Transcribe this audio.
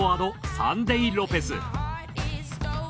サンデイ・ロペス